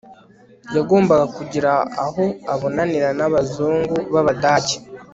yagombaga kugira aho abonanira n'abazungu b'abadage